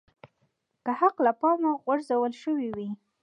که حقوق له پامه غورځول شوي وي.